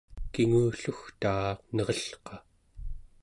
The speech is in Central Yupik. kingullugtaa nerelqa